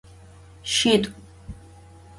Şsit'u.